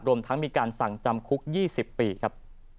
รวมทั้งมีการสั่งจำคุก๒๐ปีครับ